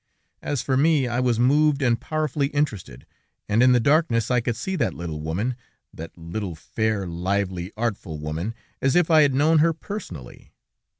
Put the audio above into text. As for me, I was moved and powerfully interested, and in the darkness I could see that little woman, that little, fair, lively, artful woman, as if I had known her personally.